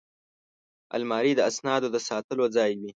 الماري د اسنادو ساتلو ځای وي